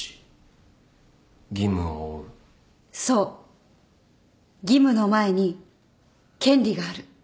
義務の前に権利がある。